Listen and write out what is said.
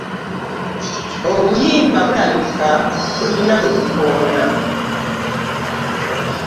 Obuyimba bulabika bulina gwe bukoona.